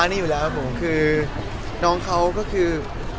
หนึ่งที่เขาครับก็คือ